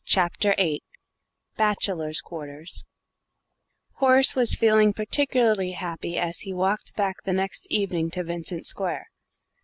CHAPTER VIII BACHELOR'S QUARTERS Horace was feeling particularly happy as he walked back the next evening to Vincent Square.